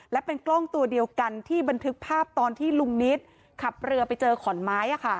และเป็นกล้องตัวเดียวกันที่บันทึกภาพตอนที่ลุงนิตขับเรือไปเจอขอนไม้